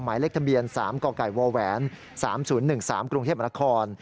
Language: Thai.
หมายเลขธรรมเบียน๓กกว๓๐๑๓กรุงเทพฯบรรคคล